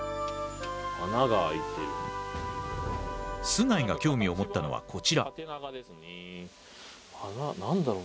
須貝が興味を持ったのはこちら。